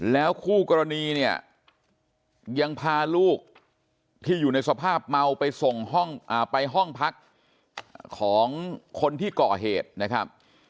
แล้วคู่กรณีเนี่ยยังพาลูกที่อยู่ในสภาพเมาไปส่งไปห้องพักของคนที่ก่อเหตุนะครับ